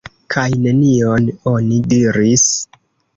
Kaj nenion oni diris.